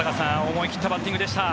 思い切ったバッティングでした。